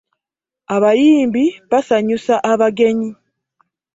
Abayimbi basaanyusa abagenyi.